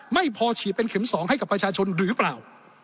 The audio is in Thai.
ไม่พอฉีดเป็นเข็ม๒ให้กับประชาชนหรือเปล่า